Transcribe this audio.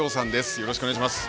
よろしくお願いします。